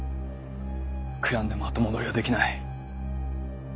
悔やんでも後戻りはできない。